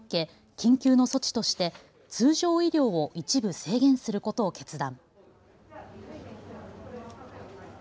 緊急の措置として通常医療を一部制限することを決断。